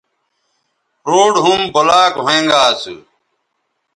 روڈ ھُم بلاکھوینگااسو